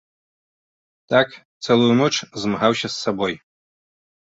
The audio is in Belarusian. Так цэлую ноч змагаўся з сабой.